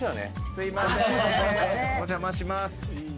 すいませんお邪魔します。